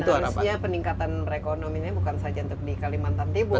dan artinya peningkatan perekonomiannya bukan saja untuk di kalimantan tibur